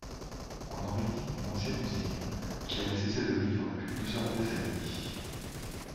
On aurait dit une ancienne usine qui avait cessé de vivre depuis plusieurs décennies.